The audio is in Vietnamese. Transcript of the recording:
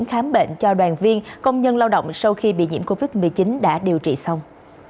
khám bệnh cho đoàn viên công nhân lao động sau khi bị nhiễm covid một mươi chín đã điều trị xong